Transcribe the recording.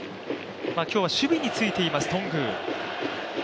今日は守備についています、頓宮。